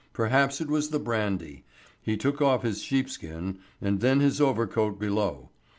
Perhaps it was the brandy. He took off his sheepskin and then his overcoat below.